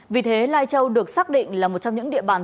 vì thế lai châu được xác định là một trong những địa bàn